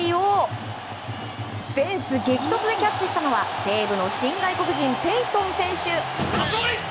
レフトへの大きな当たりをフェンス激突でキャッチしたのは西武の新外国人ペイトン選手。